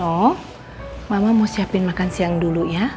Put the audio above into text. oh mama mau siapin makan siang dulu ya